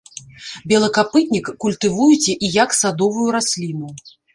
Белакапытнік культывуюць і як садовую расліну.